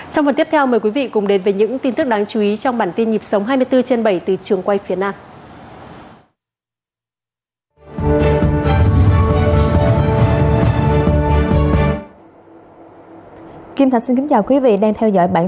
trong phần tiếp theo mời quý vị cùng đến với những tin tức đáng chú ý trong bản tin nhịp sống hai mươi bốn trên bảy từ trường quay phía nam